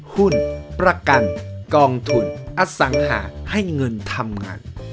หุ้นประกันกองทุนอสังหาให้เงินทำงาน